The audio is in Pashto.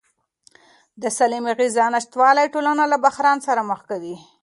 د سالمې غذا نشتوالی ټولنه له بحران سره مخ کوي.